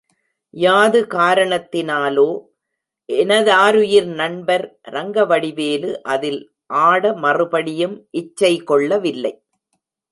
யாது காரணத்தினாலோ எனதாருயிர் நண்பர் ரங்கவடிவேலு அதில் ஆட மறுபடியும் இச்சை கொள்ளவில்லை.